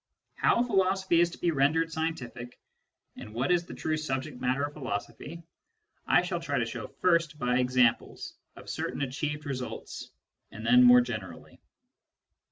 How philosophy is to be rendered scientific, and what is the true subject matter of philosophy, I shall try to show first by examples of certain achieved results, and then more generally.